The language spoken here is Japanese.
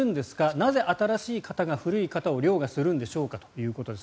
なぜ、新しい型が古い型を凌駕するんでしょうかということです。